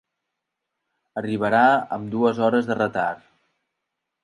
Arribarà amb dues hores de retard.